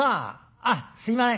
あっすいません。